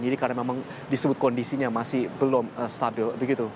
jadi karena memang disebut kondisinya masih belum stabil